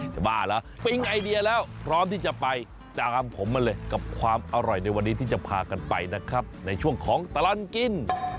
บ้าเหรอปิ้งไอเดียแล้วพร้อมที่จะไปตามผมมาเลยกับความอร่อยในวันนี้ที่จะพากันไปนะครับในช่วงของตลอดกิน